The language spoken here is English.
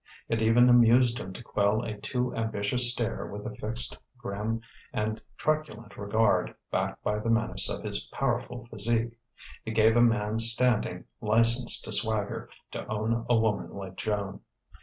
It even amused him to quell a too ambitious stare with a fixed, grim, and truculent regard backed by the menace of his powerful physique. It gave a man standing, license to swagger, to own a woman like Joan.